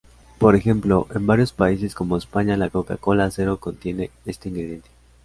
Por ejemplo, en varios países como España la Coca-Cola Zero contiene este ingrediente.